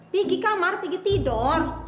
pigih kamar pigih tidur